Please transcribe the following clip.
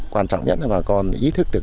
quan trọng nhất là bà con ý thức được